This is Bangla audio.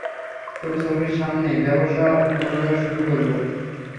তোর চোখের সামনে ব্যবসা পুনরায় শুরু করব।